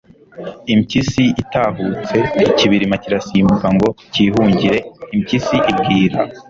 impyisi itahutse, ikibirima kirasimbuka ngo kihungire. impyisi ibwira